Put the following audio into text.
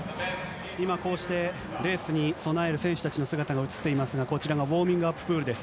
今、こうしてレースに備える選手たちの姿が写っていますが、こちらがウォーミングアッププールです。